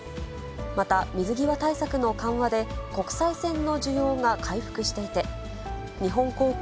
また水際対策の緩和で、国際線の需要が回復していて、日本航空、